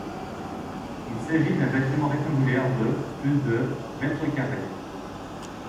Il s'agit d'un bâtiment rectangulaire de plus de mètres carrés.